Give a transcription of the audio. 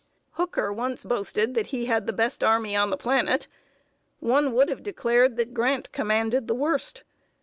Hooker once boasted that he had the best army on the planet. One would have declared that Grant commanded the worst.